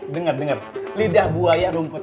dengar dengar lidah buaya rumput